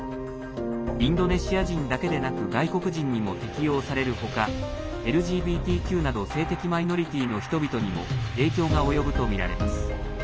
インドネシア人だけでなく外国人にも適用される他ＬＧＢＴＱなど性的マイノリティーの人々にも影響が及ぶとみられます。